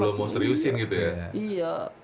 belum mau seriusin gitu ya